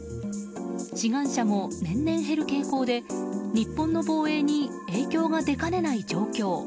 志願者も年々減る傾向で日本の防衛にも影響が出かねない状況。